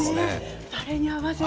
あれに合わせて。